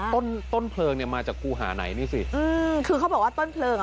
ต้นต้นเพลิงเนี้ยมาจากครูหาไหนนี่สิอืมคือเขาบอกว่าต้นเพลิงอ่ะ